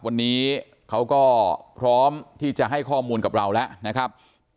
วันนี้เขาก็พร้อมที่จะให้ข้อมูลกับเราแล้วนะครับ